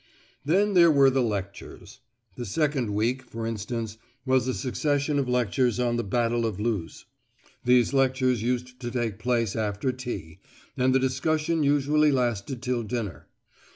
Then there were the lectures. The second week, for instance, was a succession of lectures on the Battle of Loos. These lectures used to take place after tea, and the discussion usually lasted till dinner.